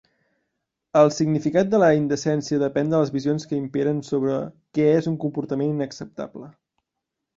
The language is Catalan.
El significat de la indecència depèn de les visions que imperen sobre què és un comportament inacceptable.